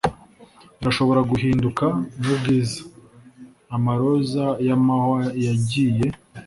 irashobora guhinduka mubwiza, amaroza yamahwa yagiye